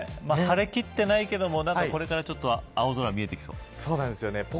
晴れきっていないけど、これから青空が見えてきそう。